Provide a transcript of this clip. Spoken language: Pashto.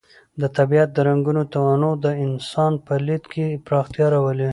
د طبیعت د رنګونو تنوع د انسان په لید کې پراختیا راولي.